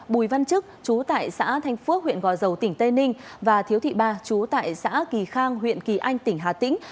bùi văn chức chú tại xã thanh phước huyện gò dầu tỉnh tây ninh và thiếu thị ba chú tại xã kỳ khang huyện kỳ anh tỉnh hà tĩnh